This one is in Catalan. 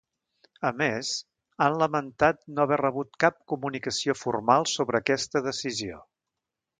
A més, han lamentat no haver rebut cap comunicació formal sobre aquesta decisió.